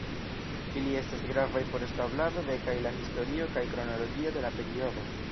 Ili estas gravaj por establado de kaj la historio kaj kronologio de la periodo.